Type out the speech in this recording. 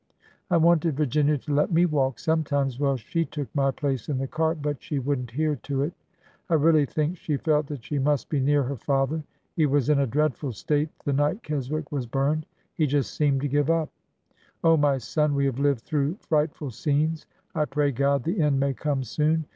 I wanted Virginia to let me walk sometimes while she took my place in the cart, but she would n't hear to it. I really think she felt that she must be near her father. He was in a dreadful state the night Keswick was burned. He just feeemed to give up. Oh, my son, we have lived through frightful scenes ! I pray God, the end may come soon!